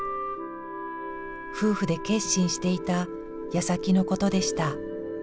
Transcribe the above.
夫婦で決心していたやさきのことでした。